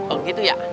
oh begitu ya